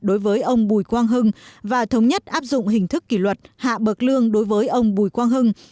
đối với ông bùi quang hưng và thống nhất áp dụng hình thức kỷ luật hạ bậc lương đối với ông bùi quang hưng